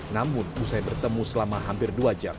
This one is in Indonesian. namun usai bertemu selama hampir dua jam